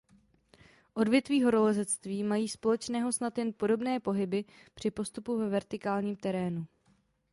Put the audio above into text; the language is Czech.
Odvětví horolezectví mají společného snad jen podobné pohyby při postupu ve vertikálním terénu.